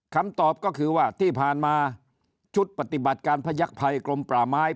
คำตอบก็คือว่าที่ผ่านมาชุดปฏิบัติการพยักษ์ภัยกรมป่าไม้